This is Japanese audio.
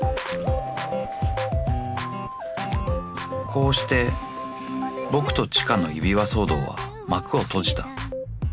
［こうして僕と知花の指輪騒動は幕を閉じた］